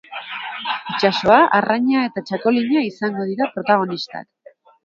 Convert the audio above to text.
Itsasoa, arraina eta txakolina izango dira protagonistak.